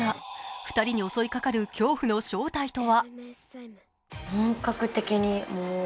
２人に襲いかかる恐怖の正体とは？